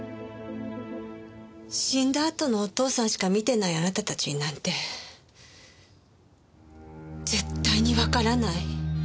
死んだあとのお父さんしか見てないあなたたちになんて絶対にわからない。